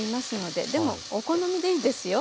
でもお好みでいいですよ。